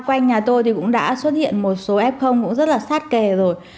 quanh nhà tôi thì cũng đã xuất hiện một số f cũng rất là sát kề rồi